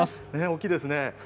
大きいですね。